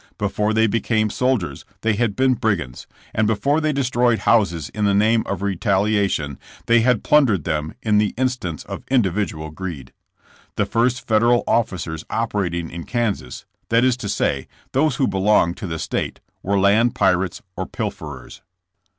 Before they became soldiers they had been brigands, and before they destroyed houses in the name of retaliation they had plundered them at the instance of individual greed. The first Federal officers operating in Kansas — that is to say, those who belonged to the state— were land pirates or pilferers.